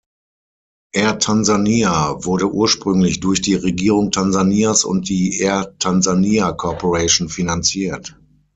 Air Tanzania wurde ursprünglich durch die Regierung Tansanias und die "Air Tanzania Corporation" finanziert.